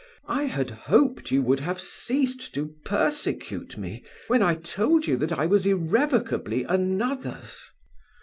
I had hoped you would have ceased to persecute me, when I told you that I was irrevocably another's."